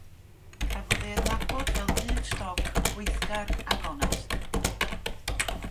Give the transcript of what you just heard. Cafodd ei adnabod fel dyn stoc gweithgar a gonest.